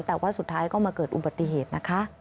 แต่ว่าสุดท้ายก็มาเกิดอุบัติเหตุนะคะ